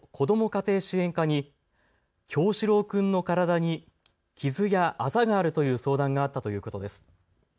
家庭支援課に叶志郎君の体に傷やあざがあるという相談があったということです。